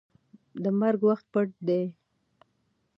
د مرګ وخت پټ دی.